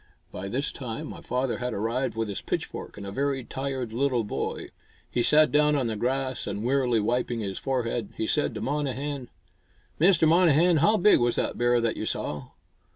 By this time my father had arrived with his pitchfork and a very tired little boy. He sat down on the grass, and, wearily wiping his forehead, he said to Monnehan, "Mr. Monnehan, how big was the bear that you saw?"